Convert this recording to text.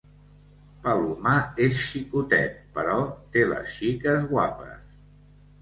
Palomar és xicotet, però té les xiques guapes.